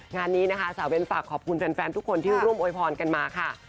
งานนี้นะคะสาวเบ้นฝากขอบคุณแฟนทุกคนที่ร่วมโวยพรกันมาค่ะ